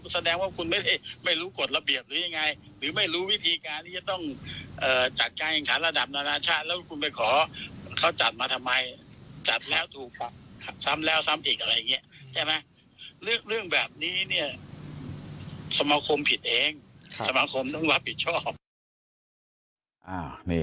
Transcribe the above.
สมาคมต้องรับผิดชอบ